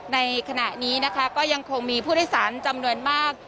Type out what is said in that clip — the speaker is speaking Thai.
ในขณะนี้นะคะก็ยังคงมีผู้โดยสารจำนวนมาก